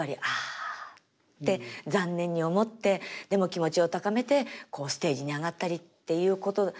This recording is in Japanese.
「あ」って残念に思ってでも気持ちを高めてこうステージに上がったりっていうこと。